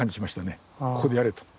ここでやれと。